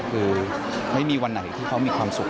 คือไม่มีวันไหนที่เขามีความสุข